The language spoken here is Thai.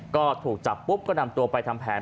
ก็ถูกจับปุ๊บก็นำตัวไปทำแผน